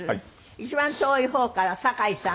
一番遠い方から酒井さん。